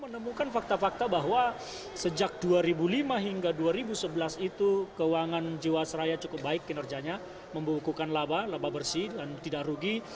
menemukan fakta fakta bahwa sejak dua ribu lima hingga dua ribu sebelas itu keuangan jiwasraya cukup baik kinerjanya membukukan laba laba bersih dan tidak rugi